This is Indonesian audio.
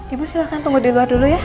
ibu silahkan tunggu di luar dulu ya